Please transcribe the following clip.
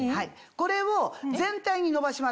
これを全体にのばします。